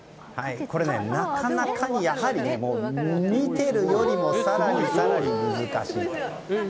これ、なかなかにやはり見ているよりも更に更に難しい。